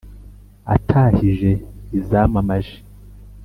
atahije izamamaje,